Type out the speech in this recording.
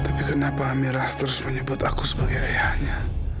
tapi kenapa miras terus menyebut aku sebagai ayahnya